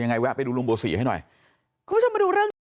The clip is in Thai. ยังไงแวะไปดูโรงโบสถ์๔ให้หน่อย